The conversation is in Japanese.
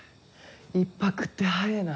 １泊って早えぇな。